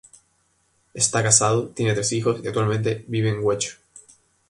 Está casado, tiene tres hijos y actualmente vive en Guecho.